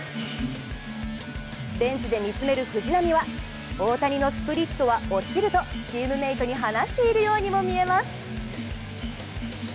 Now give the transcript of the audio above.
ベンチで見つめる藤浪は大谷のスプリットは落ちるとチームメートに話しているようにも見えます。